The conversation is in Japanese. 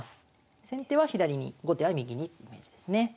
先手は左に後手は右にってイメージですね。